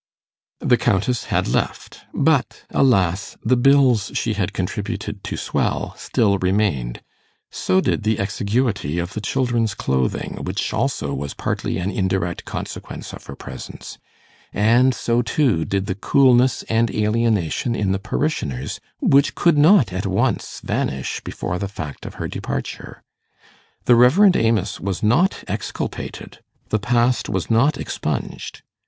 The Countess had left, but alas, the bills she had contributed to swell still remained; so did the exiguity of the children's clothing, which also was partly an indirect consequence of her presence; and so, too, did the coolness and alienation in the parishioners, which could not at once vanish before the fact of her departure. The Rev. Amos was not exculpated the past was not expunged.